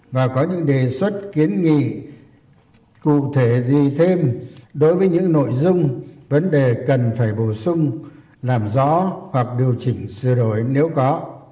và có những đề xuất kiến nghị cụ thể gì thêm đối với những nội dung vấn đề cần phải bổ sung làm rõ hoặc điều chỉnh sửa đổi nếu có